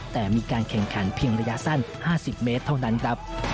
แต่มีการแข่งขันเพียงระยะสั้น๕๐เมตรเท่านั้นครับ